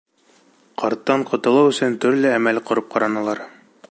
Ҡарттан ҡотолоу өсөн, төрлө әмәл ҡороп ҡаранылар.